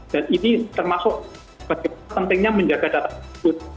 dan ini termasuk pentingnya menjaga data tersebut